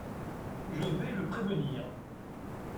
Je vais le prévenir…